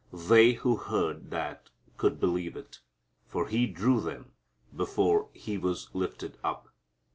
They who heard that could believe it, for He drew them before He was lifted up.